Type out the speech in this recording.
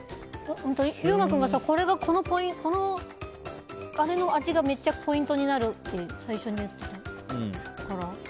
優馬君が、この味がめっちゃポイントになるって最初に言ってたから。